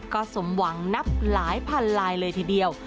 ก็สมหวังนับหลายพันลายเลยทีเดียว